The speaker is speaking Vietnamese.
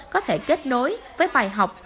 có thể kết nối với bài học